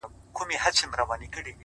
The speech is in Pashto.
د اوښ بـارونـه پـــه واوښـتـل،